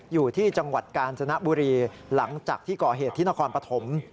อยู่ที่จังหวัดกาญจนบุรีหลังจากที่ก่อเหตุที่นครปฐม